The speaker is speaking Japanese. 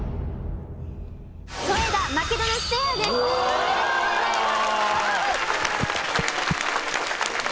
おめでとうございます